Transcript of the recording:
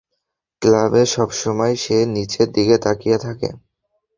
ক্লাবে সবসময় সে নীচের দিকে তাকিয়ে থাকে।